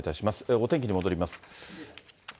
お天気に戻ります。